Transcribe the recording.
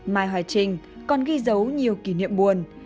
mai hoài trình còn ghi dấu nhiều kỷ niệm buồn